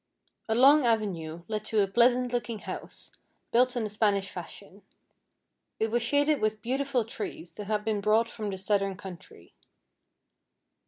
A long avenue led to a pleasant looking house, built in the Spanish fashion. It was shaded with beautiful trees, that had been brought from the southern country.